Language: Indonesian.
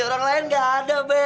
orang lain gak ada be